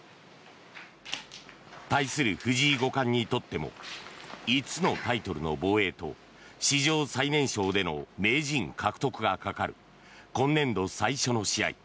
対する藤井五冠にとっても５つのタイトルの防衛と史上最年少での名人獲得がかかる今年度最初の試合。